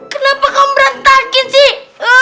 kenapa kau merantakin sih